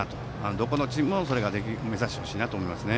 どこのチームも目指して欲しいなと思います。